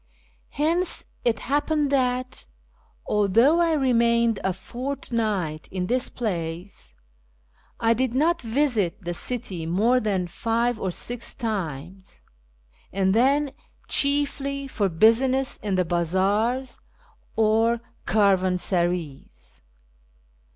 Hence it happened that, although I remained a fortnight in this place, I did not visit the city more than five or six times, and then chiefly for business in the bazaars or caravansarays.